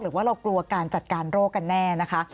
หรือว่าเรากลัวการจัดการโรคกันแน่นะคะ